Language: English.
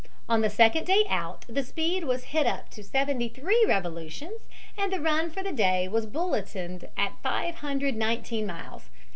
On the second day out the speed was hit up to seventy three revolutions and the run for the day was bulletined as 519 miles.